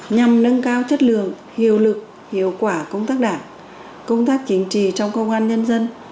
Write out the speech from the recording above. nhằm nâng cao chất lượng hiệu lực hiệu quả công tác đảng công tác chính trị trong công an nhân dân